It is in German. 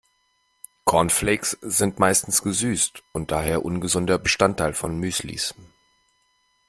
Cornflakes sind meistens gesüßt und daher ungesunder Bestandteil von Müslis.